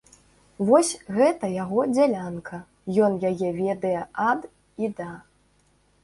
Вось гэта яго дзялянка, ён яе ведае ад і да.